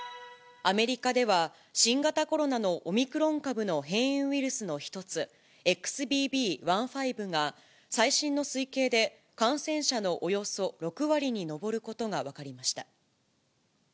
アメリカでは、新型コロナのオミクロン株の変異ウイルスの一つ、ＸＢＢ１．５が最新の推計で感染者のおよそ６割に上ることが分かりました。